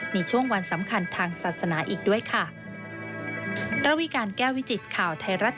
ในช่วงวันสำคัญทางศาสนาอีกด้วยค่ะ